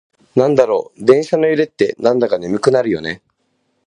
なんでだろう、電車の揺れってなんだか眠くなるよね。